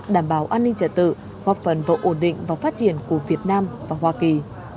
đảm bảo an ninh trật tự góp phần vào ổn định và phát triển của việt nam và hoa kỳ